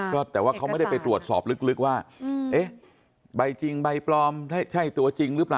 ก็แต่ว่าเขาไม่ได้ไปตรวจสอบลึกว่าเอ๊ะใบจริงใบปลอมใช่ตัวจริงหรือเปล่า